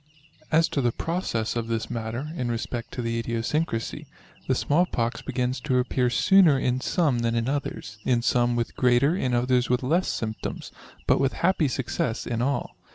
As to the process of this matter, in respect of the idiosyncrasy ; the small pox begins to appear sooner in some than in others, in some with greater, in others with less symptoms ; but with happy success in all.